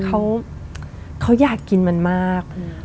เขาเขาอยากกินมันมากอืม